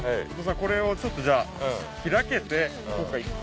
これをちょっと開けて。